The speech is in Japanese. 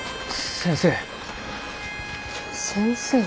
先生？